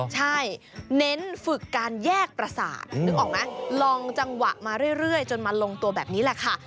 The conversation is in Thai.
ใช่เน้นฝึกการแยกประสาทนึกออกไหมลองจังหวะมาเรื่อยจนมาลงตัวแบบนี้แหละค่ะ